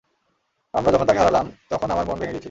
আর যখন তাকে হারালাম, তখন আমার মন ভেঙ্গে গিয়েছিল।